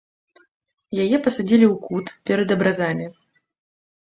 Яе пасадзілі ў кут перад абразамі.